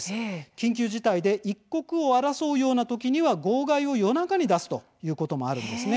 緊急事態で一刻を争うような時には号外を夜中に出すということもあるんです。